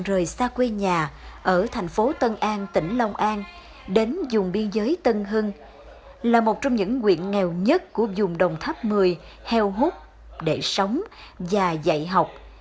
rời xa quê nhà ở thành phố tân an tỉnh long an đến dùng biên giới tân hưng là một trong những quyện nghèo nhất của dùng đồng tháp một mươi heo hút để sống và dạy học